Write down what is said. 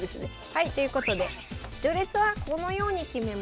はいということで序列はこのように決めます。